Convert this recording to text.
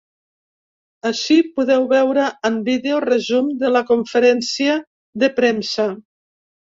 Ací podeu veure en vídeo resum de la conferència de premsa.